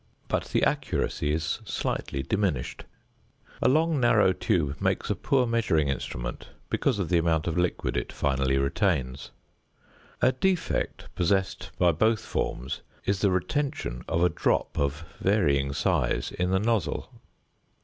But the accuracy is slightly diminished; a long narrow tube makes a poor measuring instrument because of the amount of liquid it finally retains. A defect possessed by both forms is the retention of a drop of varying size in the nozzle.